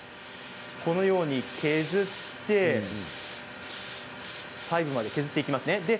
このように削って最後まで削っていきますね。